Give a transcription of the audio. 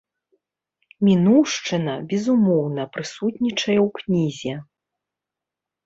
Мінуўшчына, безумоўна, прысутнічае ў кнізе.